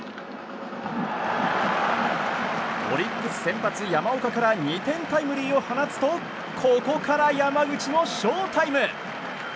オリックス先発、山岡から２点タイムリーを放つとここから山口のショータイム！